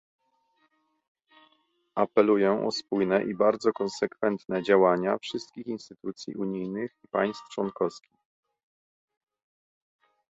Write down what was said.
Apeluję o spójne i bardzo konsekwentne działania wszystkich instytucji unijnych i państw członkowskich